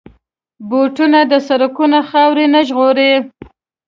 بوټونه د سړکونو خاورې نه ژغوري.